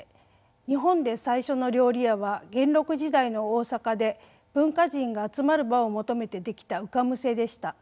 日本で最初の料理屋は元禄時代の大坂で文化人が集まる場を求めて出来た浮瀬でした。